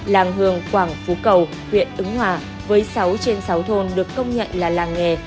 làng hường quảng phú cầu huyện ứng hòa với sáu trên sáu thôn được công nhận là làng nghề